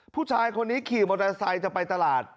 ผู้ชายคนนี้ขี่มอเตอร์ไซค์จะไปตลาด